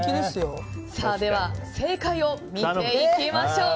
では、正解を見ていきましょう。